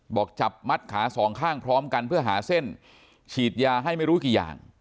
บอกจับมัดขาสองข้างพร้อมกันเพื่อหาเส้นฉีดยาให้ไม่รู้กี่อย่าง